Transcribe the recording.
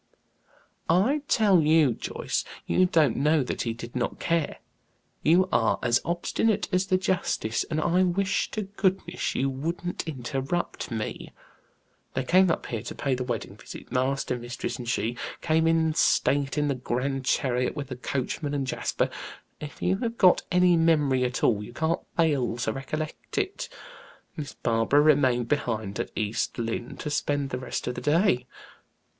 "I tell you, Joyce, you don't know that he did not care. You are as obstinate as the justice, and I wish to goodness you wouldn't interrupt me. They came up here to pay the wedding visit master, mistress, and she, came in state in the grand chariot, with the coachman and Jasper. If you have got any memory at all, you can't fail to recollect it. Miss Barbara remained behind at East Lynne to spend the rest of the day."